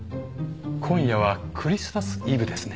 今夜はクリスマスイブですね。